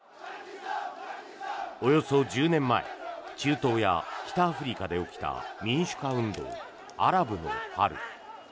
およそ１０年前中東や北アフリカで起きた民主化運動、アラブの春。